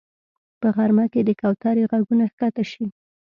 په غرمه کې د کوترې غږونه ښکته شي